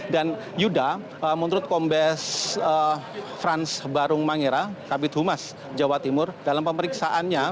dan yuda menurut kombes frans barung mangira kabit humas jawa timur dalam pemeriksaannya